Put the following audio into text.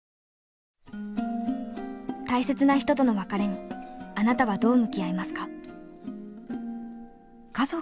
大切な人との別れにあなたはどう向き合いますか？